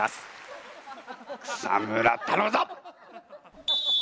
草村頼むぞ！